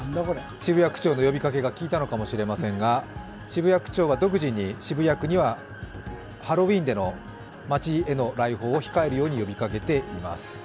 渋谷区長の呼びかけが効いたのかもしれませんが、渋谷区長が独自に、渋谷区にはハロウィーンでの街への来訪を控えるよう呼びかけています。